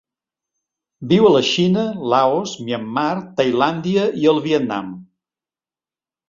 Viu a la Xina, Laos, Myanmar, Tailàndia i el Vietnam.